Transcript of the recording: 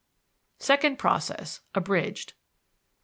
Second Process (abridged).